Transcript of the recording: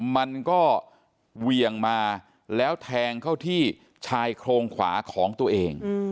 มันก็เหวี่ยงมาแล้วแทงเข้าที่ชายโครงขวาของตัวเอง